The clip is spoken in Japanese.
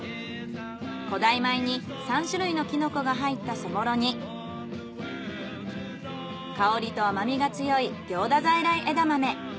古代米に３種類のきのこが入ったそぼろに香りと甘みが強い行田在来枝豆。